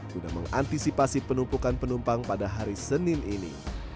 guna mengantisipasi penumpukan penumpang pada hari senin ini